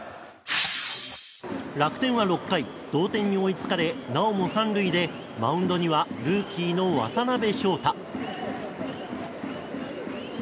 楽天は６回同点に追いつかれなおも３塁で、マウンドにはルーキーの渡辺翔太。